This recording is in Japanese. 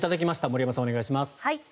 森山さん、お願いします。